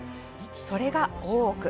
それが、大奥。